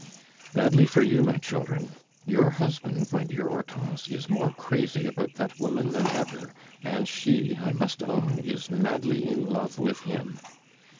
"Badly for you, my children. Your husband, my dear Hortense, is more crazy about that woman than ever, and she, I must own, is madly in love with him.